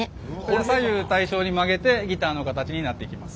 これを左右対称に曲げてギターの形になっていきます。